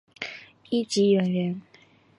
一级演员。